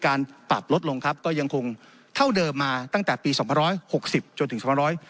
การปรับลดลงครับก็ยังคงตั้งแต่ปี๒๐๖๐จนถึง